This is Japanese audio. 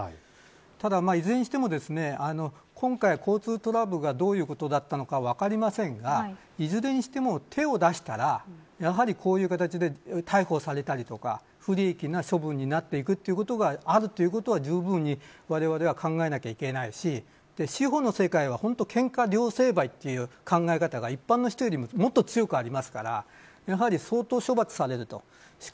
ただ、いずれにしても今回、交通トラブルがどういうことだったのか分かりませんがいずれにしても手を出したらやはり、こういう形で逮捕されたりとか不利益な処分になっていくということがあるということはじゅうぶんに、われわれは考えなければいけないし司法の世界はけんか両成敗という考え方が一般の人よりも強くありますから相当、処罰されると思います。